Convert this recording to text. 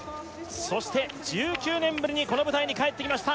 そして１９年ぶりにこの舞台にかえってきました